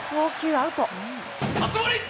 アウト。